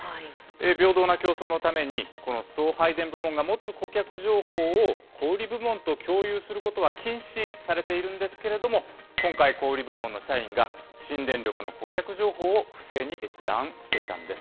平等な競争のために、この送配電部門が持つ顧客情報を小売り部門と共有することは禁止されているんですけれども、今回、小売り部門の社員が、新電力の顧客情報を不正に閲覧していたんです。